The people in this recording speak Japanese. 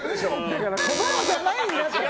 だから、子供じゃないんだって。